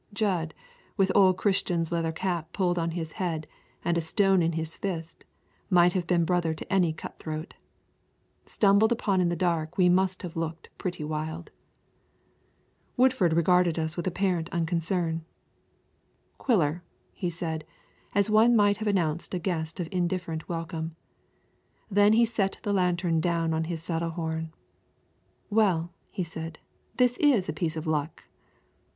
Jud, with old Christian's leather cap pulled on his head and a stone in his fist, might have been brother to any cutthroat. Stumbled upon in the dark we must have looked pretty wild. Woodford regarded us with very apparent unconcern. "Quiller," he said, as one might have announced a guest of indifferent welcome. Then he set the lantern down on his saddle horn. "Well," he said, "this is a piece of luck."